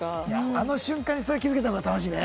あの瞬間にそれ気付けた方が楽しいね。